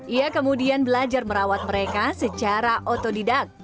ia kemudian belajar merawat mereka secara otodidak